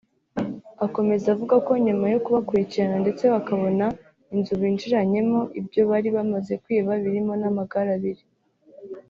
Akomeza avuga ko nyuma yo kubakurikirana ndetse bakanabona inzu binjiranyemo ibyo bari bamaze kwiba birimo n’amagare abiri